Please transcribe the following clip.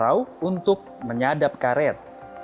semarau untuk menyadap karet